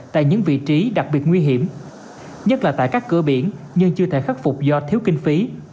tại những vị trí đặc biệt nguy hiểm nhất là tại các cửa biển nhưng chưa thể khắc phục do thiếu kinh phí